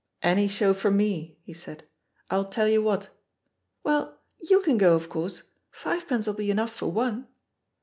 '* ^'Ariff show for me/^ he said, "I'll tell you j^hat " "Well, you can go, of course; fiyepence'll be enough for one."